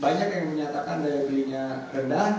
banyak yang menyatakan daya belinya rendah